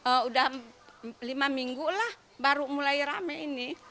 udah lima minggu lah baru mulai rame ini